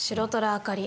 あかり